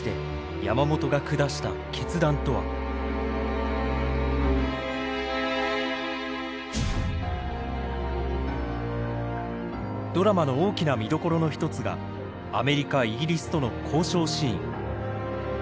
果たしてドラマの大きな見どころの一つがアメリカイギリスとの交渉シーン。